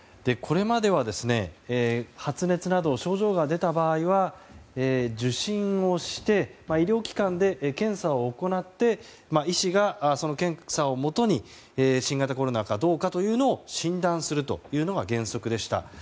これまでは発熱など症状が出た場合は受診をして医療機関で検査を行って医師がその検査をもとに新型コロナかどうかというのを診断するというのが原則でした。